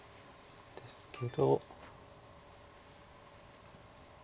ですけど。